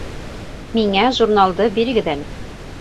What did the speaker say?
Миңә журналды бирегеҙ әле